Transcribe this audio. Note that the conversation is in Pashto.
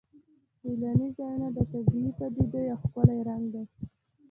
سیلاني ځایونه د طبیعي پدیدو یو ښکلی رنګ دی.